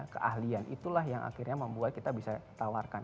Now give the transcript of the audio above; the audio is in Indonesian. keahlian itulah yang akhirnya membuat kita bisa tawarkan